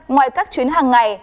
ngoài các chuyến hàng ngày